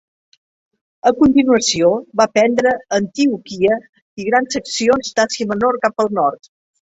A continuació, va prendre Antioquia i grans seccions d'Àsia Menor cap al nord.